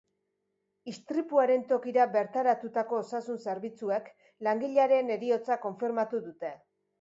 Istripuaren tokira bertaratutako osasun zerbitzuek langilearen heriotza konfirmatu dute.